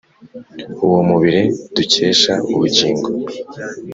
uwo mubiri dukesha ubugingo